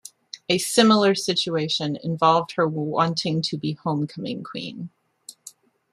A similar situation involved her wanting to be Homecoming Queen.